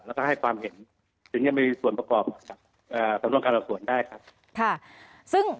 แล้วก็ให้ความเห็นฉะนั้นมีส่วนประกอบกับสังผัสการส่วนได้ครับ